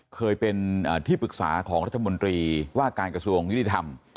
เคยเป็นที่ปรึกษาของรัฐมนตรีว่าการกระทรวงยุติธรรม